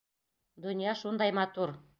Донъя шундай матур!